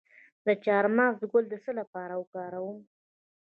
د چارمغز ګل د څه لپاره وکاروم؟